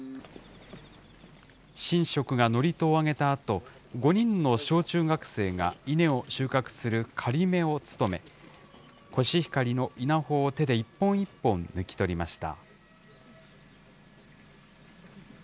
神職が祝詞を上げたあと、５人の小中学生が稲を収穫する刈乙女を務め、コシヒカリの稲穂を手で一本一本抜き取りました。